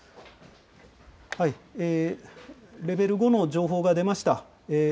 レベル５の情報が出ました。